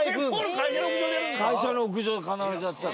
会社の屋上で必ずやってた。